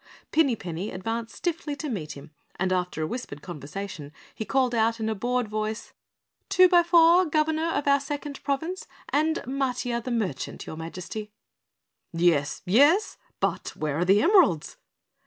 Pinny Penny advanced stiffly to meet him and after a whispered conversation he called out in a bored voice: "Twobyfour, Governor of our Second Province, and Matiah, the Merchant, your Majesty!" "Yes! Yes? But where are the emeralds?"